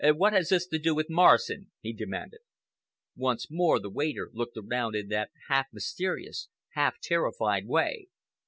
"What has this to do with Morrison?" he demanded. Once more the waiter looked around in that half mysterious, half terrified way.